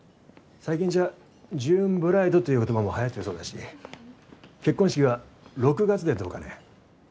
最近じゃジューンブライドという言葉もはやってるそうだし結婚式は６月でどうかね？